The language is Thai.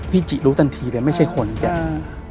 พี่จิรู้ตันทีเลยไม่ใช่คนจริง